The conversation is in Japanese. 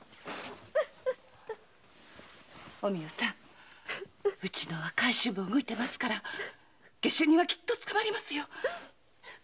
お美代さんウチの若い衆も動いてますから下手人はきっと捕まりますよ。